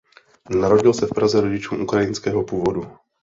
Narodil se v Praze rodičům ukrajinského původu.